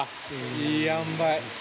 いいあんばい。